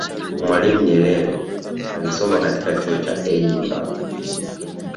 mwalimu julius nyerere alisoma katika chuo cha edinburgh